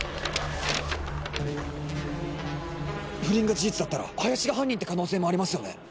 不倫が事実だったら林が犯人って可能性もありますよね？